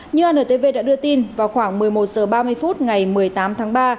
như antv đã đưa tin vào khoảng một mươi một h ba mươi phút ngày một mươi tám tháng ba